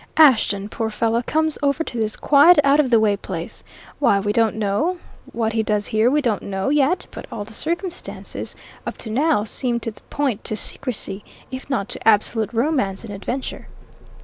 Ashton, poor fellow, comes over to this quiet, out of the way place; why, we don't know; what he does here we don't know, yet but all the circumstances, up to now, seem to point to secrecy, if not to absolute romance and adventure."